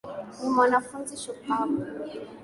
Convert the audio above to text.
Ni mwanafunzi shupavu